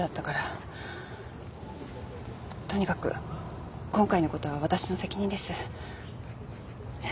とにかく今回のことはわたしの責任です。